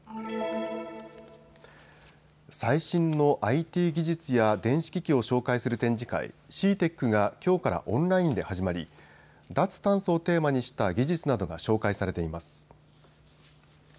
最新のＩＴ技術や電子機器を紹介する展示会、ＣＥＡＴＥＣがきょうからオンラインで始まり脱炭素をテーマにした技術などが紹介されています。